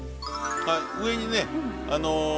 上にね糸